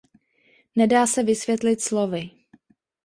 Nedá se vysvětlit slovy.